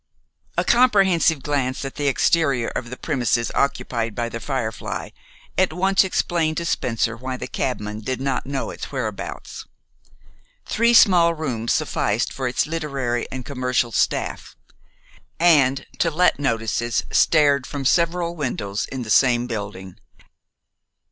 A comprehensive glance at the exterior of the premises occupied by "The Firefly" at once explained to Spencer why the cabman did not know its whereabouts. Three small rooms sufficed for its literary and commercial staff, and "To let" notices stared from several windows in the same building.